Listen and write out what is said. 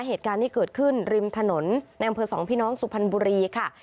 เหตุการณ์ที่เกิดขึ้นริมถนนในอำเภอสองพี่น้องสุพรรณบุรีค่ะ